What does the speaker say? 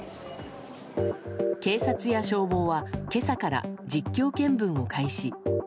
警察や消防は今朝から実況見分を開始。